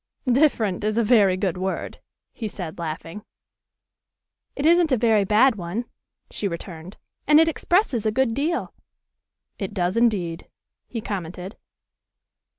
"'Different' is a very good word," he said, laughing. "It isn't a very bad one," she returned, "and it expresses a good deal." "It does indeed," he commented.